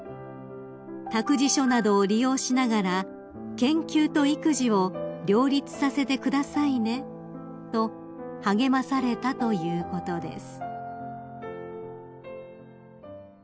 「託児所などを利用しながら研究と育児を両立させてくださいね」と励まされたということです］